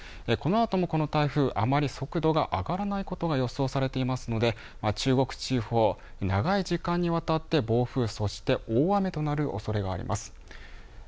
このあともこの台風あまり速度が上がらないことが予想されていますので中国地方、長い時間にわたって暴風そして大雨となるおそれがあります。